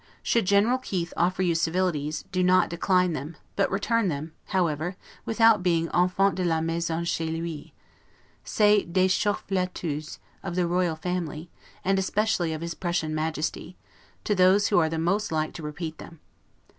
Should General Keith offer you civilities, do not decline them; but return them, however, without being 'enfant de la maison chez lui': say 'des chores flatteuses' of the Royal Family, and especially of his Prussian Majesty, to those who are the most like to repeat them.